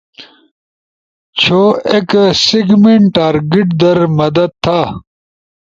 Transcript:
چھو ایک سیگمنٹ ٹارگٹ در مدد تھا